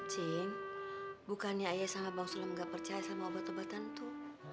cin bukannya ayah sama bang sulam nggak percaya sama obat obatan itu